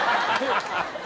ハハハハ。